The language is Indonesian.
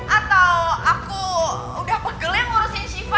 atau aku udah pegelin ngurusin syifa